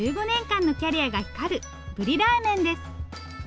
１５年間のキャリアが光るブリラーメンです。